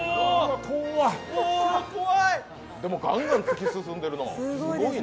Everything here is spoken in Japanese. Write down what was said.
でも、ガンガン突き進んでるな、すごいね。